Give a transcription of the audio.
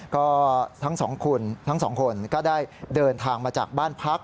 ก็ทั้งสองคนก็ได้เดินทางมาจากบ้านพัก